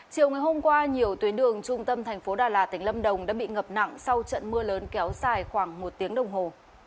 chiều ngày hôm qua nhiều tuyến đường trung tâm thành phố đà lạt tỉnh lâm đồng đã bị ngập nặng sau trận mưa lớn kéo dài khoảng một tiếng đồng hồ